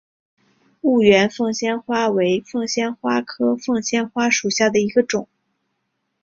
婺源凤仙花为凤仙花科凤仙花属下的一个种。